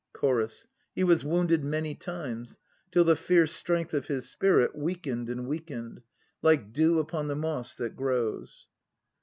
CHORUS. He was wounded many times, till the fierce strength of his spirit weakened and weakened. Like dew upon the moss that grows.